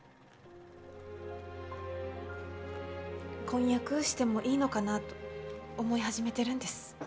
婚約してもいいのかなと思い始めてるんです。